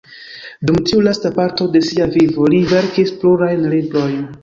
Dum tiu lasta parto de sia vivo li verkis plurajn librojn.